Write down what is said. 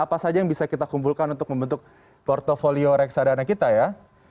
apa saja yang bisa kita kumpulkan untuk membentuk portfolio reksadana kita ya